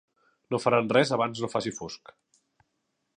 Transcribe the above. No faran res abans no faci fosc.